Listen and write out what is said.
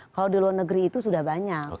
kalau di luar negeri itu sudah banyak